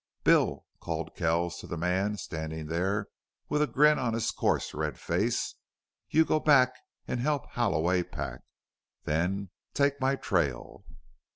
"Bill," called Kells to the man standing there with a grin on his coarse red face, "you go back and help Halloway pack. Then take my trail."